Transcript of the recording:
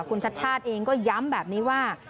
คุณชัดชาติเองก็ย้ำแบบนี้ว่า